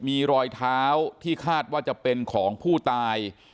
มีรอยเท้าที่คาดว่าจะเป็นของผู้ตาย